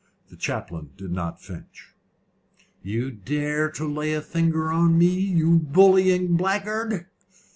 The chaplain did not flinch. "You dare to lay a finger on me, you bullying blackguard."